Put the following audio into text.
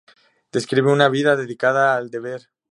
Describe una vida dedicada al deber.